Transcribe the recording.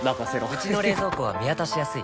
うちの冷蔵庫は見渡しやすい